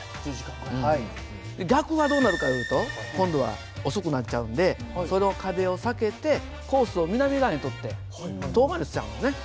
逆はどうなるかいうと今度は遅くなっちゃうんでその風を避けてコースを南側に取って遠回りしちゃうんだね。